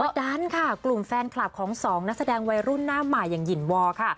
ดันค่ะกลุ่มแฟนคลับของสองนักแสดงวัยรุ่นหน้าใหม่อย่างหินวอร์ค่ะ